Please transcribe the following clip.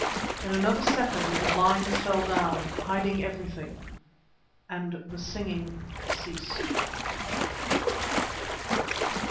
In another second the blinds fell down, hiding everything, and the singing ceased.